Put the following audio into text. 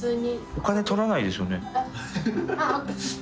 お金取らないでしょうね。